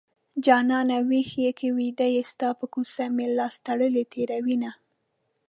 جانانه ويښ يې که ويده يې ستا په کوڅه مې لاس تړلی تېروينه